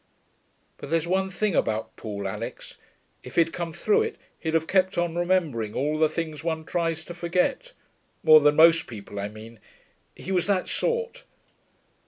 But there's one thing about Paul, Alix; if he'd come through it he'd have kept on remembering all the things one tries to forget. More than most people, I mean. He was that sort.